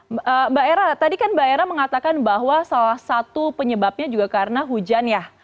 mbak era tadi kan mbak era mengatakan bahwa salah satu penyebabnya juga karena hujan ya